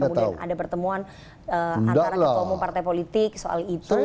kemudian ada pertemuan antara kepomong partai politik soal itu